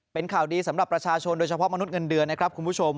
เป็นข่าวดีสำหรับประชาชนโดยเฉพาะมนุษย์เงินเดือนนะครับคุณผู้ชม